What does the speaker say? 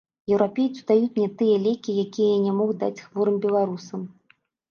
Еўрапейцы даюць мне тыя лекі, якія я не мог даць хворым беларусам.